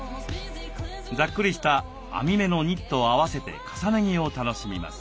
ざっくりした網目のニットを合わせて重ね着を楽しみます。